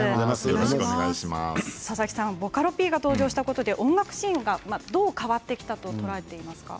佐々木さん、ボカロＰが登場したことで音楽シーンがどう変わってきたと捉えていますか？